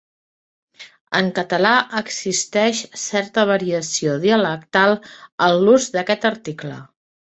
En català existeix certa variació dialectal en l'ús d'aquest article.